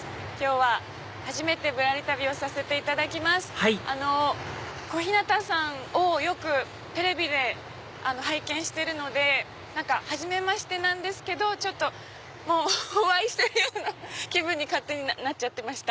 はい小日向さんをよくテレビで拝見してるのではじめましてなんですけどもうお会いしてるような気分に勝手になっちゃってました。